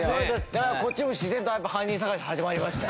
だからこっちも自然とやっぱ犯人捜し始まりました。